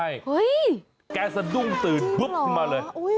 เฮ้ยจริงเหรอแกสะดุ้งตื่นพึบมาเลย